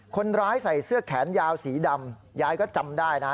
คนร้ายใส่เสื้อแขนยาวสีดำยายก็จำได้นะ